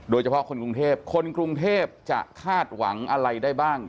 โดยเฉพาะคนกรุงเทพคนกรุงเทพจะคาดหวังอะไรได้บ้าง